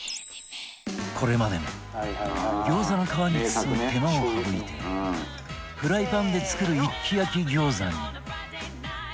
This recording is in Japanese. これまでも餃子の皮に包む手間を省いてフライパンで作る一気焼き餃子に